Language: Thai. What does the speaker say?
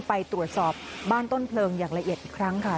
ไปตรวจสอบบ้านต้นเพลิงอย่างละเอียดอีกครั้งค่ะ